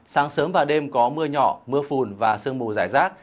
sáng sớm và đêm có mưa nhỏ mưa phùn và sương mù rải rác